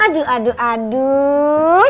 aduh aduh aduh